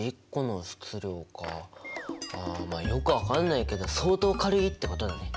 まあよく分かんないけど相当軽いってことだね。